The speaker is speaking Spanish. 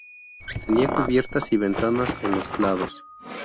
Tenía cubiertas y ventanas en los lados.